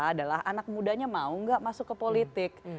adalah anak mudanya mau nggak masuk ke politik